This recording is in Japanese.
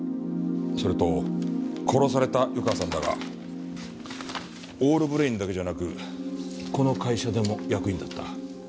それと殺された湯川さんだがオールブレインだけじゃなくこの会社でも役員だった。